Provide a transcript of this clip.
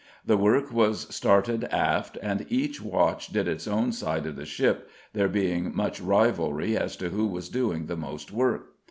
The work was started aft and each watch did its own side of the ship, there being much rivalry as to who was doing the most work.